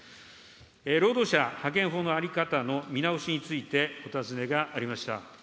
労働者派遣法の在り方の見直しについてお尋ねがありました。